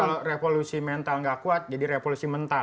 jadi kalau revolusi mental tidak kuat jadi revolusi mental